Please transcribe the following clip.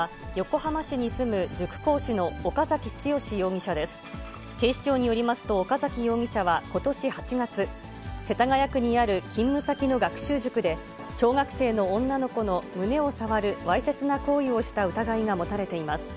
警視庁によりますと、岡崎容疑者はことし８月、世田谷区にある勤務先の学習塾で、小学生の女の子の胸を触るわいせつな行為をした疑いが持たれています。